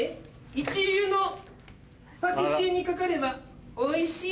一流のパティシエにかかればおいしい